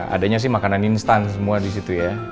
adanya sih makanan instan semua disitu ya